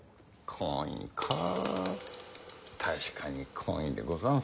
確かに懇意でござんす。